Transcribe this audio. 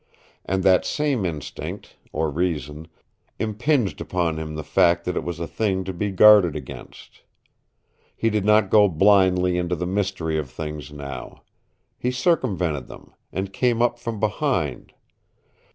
And that same instinct, or reason, impinged upon him the fact that it was a thing to be guarded against. He did not go blindly into the mystery of things now. He circumvented them, and came up from behind.